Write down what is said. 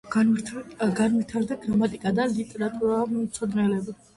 განვითარდა გრამატიკა და ლიტერატურათმცოდნეობა.